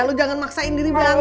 lo jangan maksain diri banget